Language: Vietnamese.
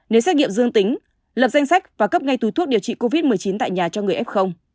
nếu xét nghiệm dương tính lập danh sách và cấp ngay túi thuốc điều trị covid một mươi chín tại nhà cho người f